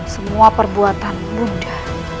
semua perbuatan bunda